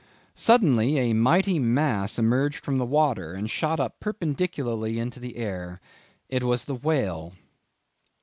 "Suddenly a mighty mass emerged from the water, and shot up perpendicularly into the air. It was the whale."